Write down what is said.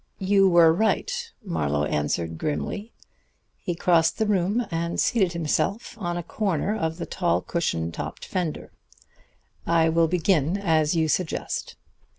"You were right," Marlowe answered grimly. He crossed the room and seated himself on a corner of the tall cushion topped fender. "I will begin as you suggest."